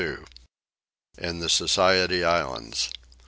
IN THE SOCIETY ISLANDS.